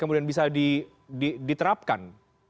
kemudian bisa diterapkan